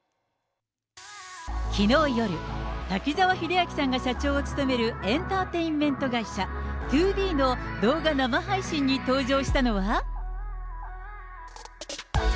きのう夜、滝沢秀明さんが社長を務めるエンターテインメント会社、ＴＯＢＥの動画生配信に登場したのは。